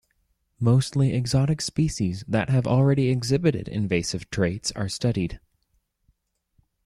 Mostly exotic species that have already exhibited invasive traits are studied.